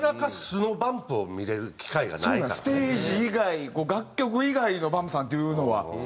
なかなかステージ以外楽曲以外のＢＵＭＰさんっていうのは。